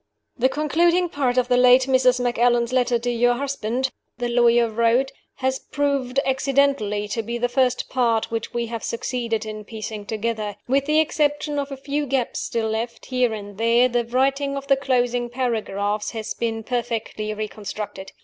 "The concluding part of the late Mrs. Macallan's letter to her husband," the lawyer wrote, "has proved accidentally to be the first part which we have succeeded in piecing together. With the exception of a few gaps still left, here and there, the writing of the closing paragraphs has been perfectly reconstructed.